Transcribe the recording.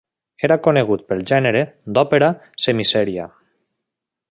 Era conegut pel gènere d'òpera semiseria.